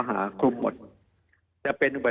มีความรู้สึกว่ามีความรู้สึกว่า